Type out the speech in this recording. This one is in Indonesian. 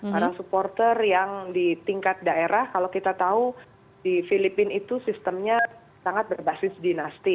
para supporter yang di tingkat daerah kalau kita tahu di filipina itu sistemnya sangat berbasis dinasti